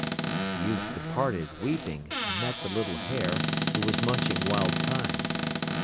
The youth departed, weeping, and met the little hare, who was munching wild thyme.